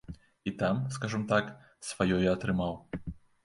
І там, скажам так, сваё я атрымаў.